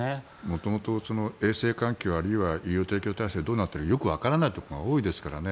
元々、衛生環境あるいは医療提供体制がどうなっているのかよくわからないところが多いですからね。